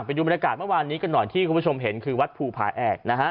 ไปดูบรรยากาศเมื่อวานนี้กันหน่อยที่คุณผู้ชมเห็นคือวัดภูผาแอกนะฮะ